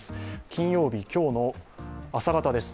金曜日、今日の朝方です。